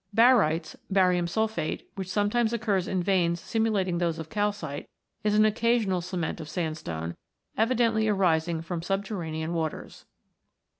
Barytes (barium sulphate), which sometimes occurs in veins simulating those of calcite, is an occasional cement of sandstone, evidently arising from subterranean waters.